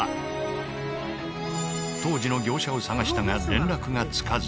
当時の業者を探したが連絡がつかず。